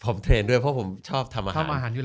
ผมเทรนด์ด้วยเพราะผมชอบทำอาหาร